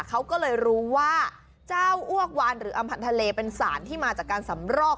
เขาก็เลยรู้ว่าเจ้าอ้วกวานหรืออำพันธ์ทะเลเป็นสารที่มาจากการสำรอก